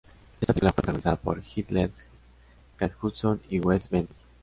Esta película fue protagonizada por Heath Ledger, Kate Hudson y Wes Bentley.